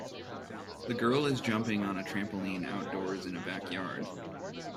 The girl is jumping on a trampoline outdoors in a backyard